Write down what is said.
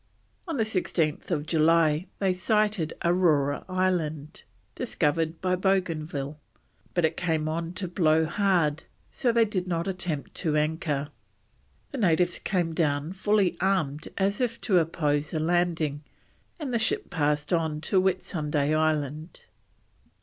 On 16th July they sighted Aurora Island, discovered by Bougainville, but it came on to blow hard, so they did not attempt to anchor. The natives came down fully armed as if to oppose a landing, and the ship passed on to Whitsunday Island.